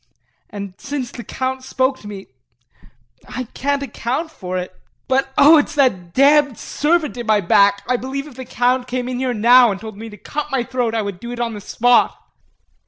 And since the Count spoke to me I can't account for it but oh, it is that damned servant in my back I believe if the Count came in here now and told me to cut my throat I would do it on the spot.